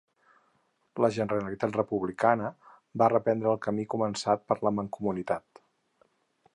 La Generalitat republicana va reprendre el camí començat per la Mancomunitat.